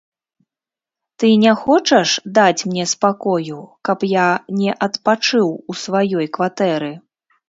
Ты не хочаш даць мне спакою, каб я не адпачыў у сваёй кватэры?